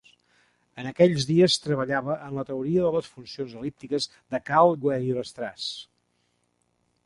En aquells dies treballava en la teoria de les funcions el·líptiques de Karl Weierstrass.